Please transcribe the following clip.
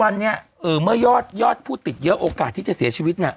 อืมเหมือนยอดยอดผู้ติดเยอะโอกาสที่จะเสียชีวิตอ่ะ